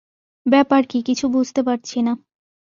ব্যাপার কী কিছু বুঝতে পারছি না।